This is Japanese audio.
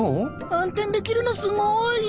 運転できるのすごい。